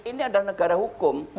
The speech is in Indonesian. ini adalah negara hukum